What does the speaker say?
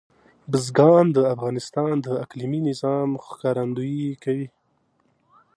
بزګان د افغانستان د اقلیمي نظام ښکارندوی ده.